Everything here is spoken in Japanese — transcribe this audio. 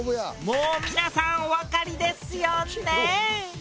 もう皆さんおわかりですよねぇ。